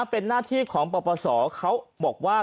เป็นหน้าที่ของประภาษาคำเขาบอกว่า